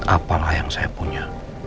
apalah yang saya punya